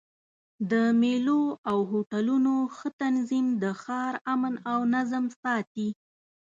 د مېلو او هوټلونو ښه تنظیم د ښار امن او نظم ساتي.